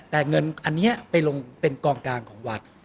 แต่เงินอันนี้ไปลงเป็นกองกลางของวัด